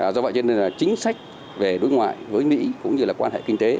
do vậy nên chính sách về đối ngoại với mỹ cũng như là quan hệ kinh tế